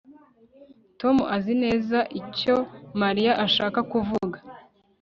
Tom azi neza icyo Mariya ashaka kuvuga